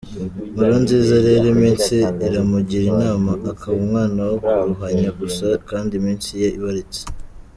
Nkurunziza rero iminsi iramugira inama akaba umwana wo kuruhanya gusa kandi iminsi ye ibaritse !